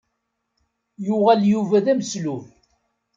Yuɣal Yuba d ameslub.